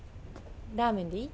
ラーメンでいい？